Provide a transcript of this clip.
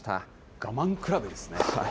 我慢比べですね。